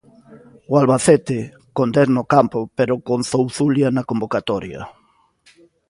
O Albacete, con dez no campo, pero con Zouzulia na convocatoria.